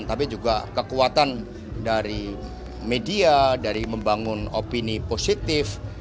tapi juga kekuatan dari media dari membangun opini positif